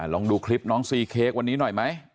ลองดูคลิปน้องซีเค้กวันนี้หน่อยไหม